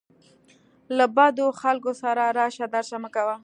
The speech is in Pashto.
له بدو خلکو سره راشه درشه مه کوه.